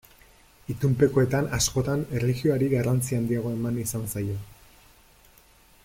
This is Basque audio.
Itunpekoetan askotan erlijioari garrantzi handiagoa eman izan zaio.